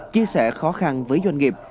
chia sẻ khó khăn với doanh nghiệp